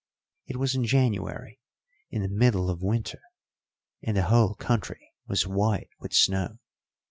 It was in January, in the middle of winter, and the whole country was white with snow."